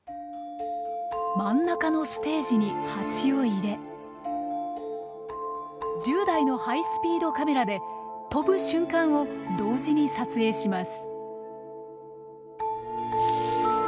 真ん中のステージにハチを入れ１０台のハイスピードカメラで飛ぶ瞬間を同時に撮影します。